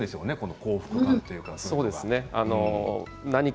幸福感というか。